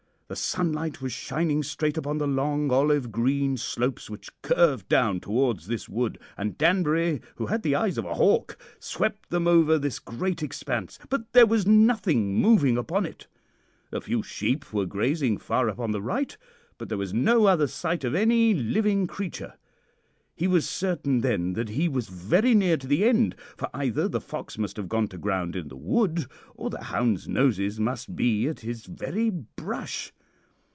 The sunlight was shining straight upon the long olive green slopes which curved down towards this wood, and Danbury, who had the eyes of a hawk, swept them over this great expanse; but there was nothing moving upon it. A few sheep were grazing far up on the right, but there was no other sight of any living creature. He was certain then that he was very near to the end, for either the fox must have gone to ground in the wood or the hounds' noses must be at his very brush.